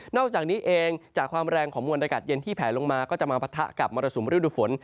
อกจากนี้เองจากความแรงของมวลอากาศเย็นที่แผลลงมาก็จะมาปะทะกับมรสุมฤดูฝน